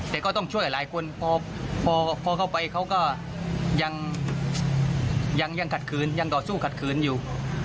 แต่ก็ต้องช่วยหลายคนพอเข้าไปเขาก็ยังก่อสู้ขัดคืนอยู่